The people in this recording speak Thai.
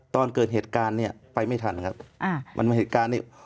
ตอนเกิดเหตุการณ์นี้ไปไม่ทันครับ